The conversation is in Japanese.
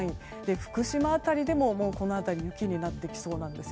福島辺りでも雪になってきそうなんです。